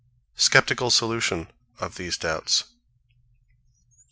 SCEPTICAL SOLUTION OF THESE DOUBTS.